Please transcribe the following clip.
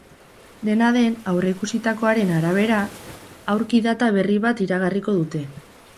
Dena den, aurreikusitakoaren arabera, aurki data berri bat iragarriko dute.